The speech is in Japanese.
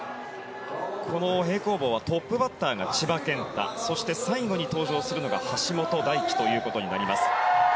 平行棒はトップバッターが千葉健太そして最後に登場するのが橋本大輝となります。